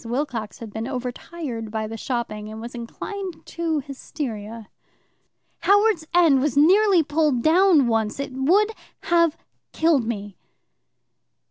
Wilcox had been overtired by the shopping, and was inclined to hysteria. "Howards End was nearly pulled down once. It would have killed me."